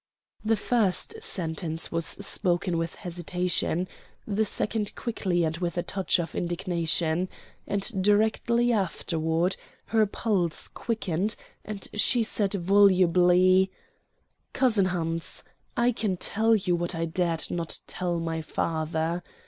The first sentence was spoken with hesitation, the second quickly and with a touch of indignation, and directly afterward her pulse quickened and she said volubly: "Cousin Hans, I can tell you what I dared not tell my father.